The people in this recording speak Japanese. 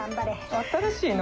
新しいな。